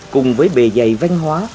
cùng với bề dày văn hóa